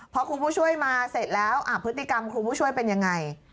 พอครูผู้ช่วยมาเสร็จแล้วพฤติกรรมครูผู้ช่วยเป็นยังไง